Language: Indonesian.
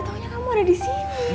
taunya kamu ada di sini